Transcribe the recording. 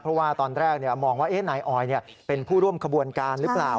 เพราะว่าตอนแรกมองว่านายออยเป็นผู้ร่วมขบวนการหรือเปล่า